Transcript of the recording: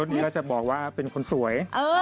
สบายล่ะจะบอกว่าเป็นคนสวย